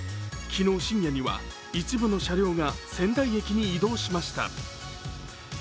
昨日深夜には、一部の車両が仙台駅に移動しました。